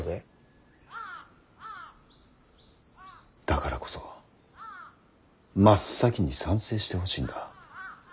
だからこそ真っ先に賛成してほしいんだ。